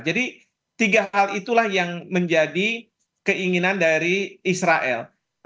jadi tiga hal itulah yang menjadi keinginan dari israel